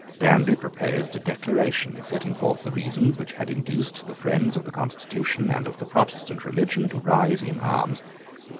Danby proposed a Declaration setting forth the reasons which had induced the friends of the constitution and of the Protestant religion to rise in arms.